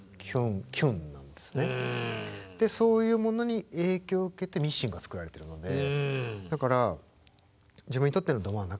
そういうものに影響を受けて「Ｍｉｓｓｉｎｇ」は作られてるのでだから自分にとってのど真ん中をやろう。